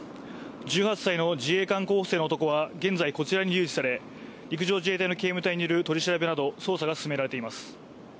１８歳の自衛官候補生の男は現在こちらに移され、陸上自衛隊の警務隊による取り調べなど捜査が進められています。